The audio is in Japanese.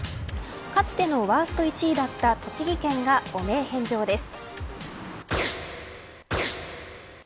かつてのワースト１位だった栃木県が汚名返上です。